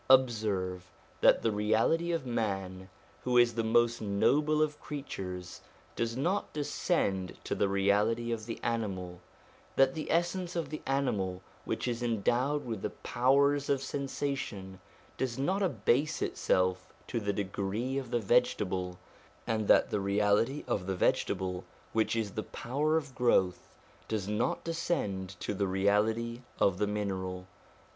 Observe that the reality of man, who is the most noble of creatures, does not descend to the reality of the animal, that the essence of the animal, which is endowed with the powers of sensation, does not abase itself to the degree of the vegetable, and that the reality of the vegetable, which is the power of growth, does not descend to the reality of the mineral.